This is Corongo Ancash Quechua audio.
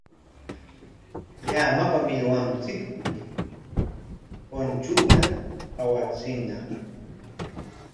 Llamapa millwanpikmi punchunta awachiñaq.